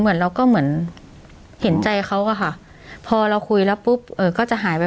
เหมือนเราก็เหมือนเห็นใจเขาอะค่ะพอเราคุยแล้วปุ๊บเออก็จะหายไป